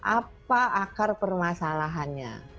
apa akar permasalahannya